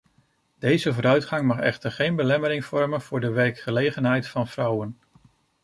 Deze vooruitgang mag echter geen belemmering vormen voor de werkgelegenheid van vrouwen.